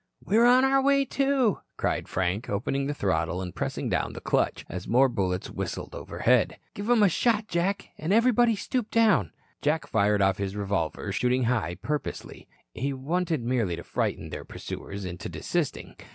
"We're on our way, too," cried Frank, opening the throttle and pressing down the clutch, as more bullets whistled overhead. "Give 'em a shot, Jack, and everybody stoop down." Jack fired off his revolver, shooting high purposely. He wanted merely to frighten their pursuers into desisting.